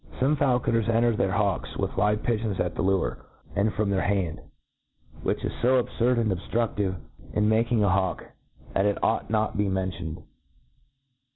Some faul coners enter their hawks with live pigeons at the lure, and from their hand ; which is fo ab furd and deftruftive in making of a hawk,^ that it ought not to be mientioned.